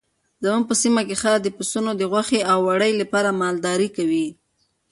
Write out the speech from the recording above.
زموږ په سیمه کې خلک د پسونو د غوښې او وړۍ لپاره مالداري کوي.